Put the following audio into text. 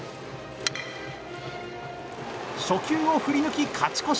初球を振りぬき、勝ち越し。